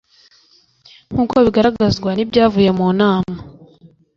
Nk’ uko bigaragazwa n’ibyavuye mu nama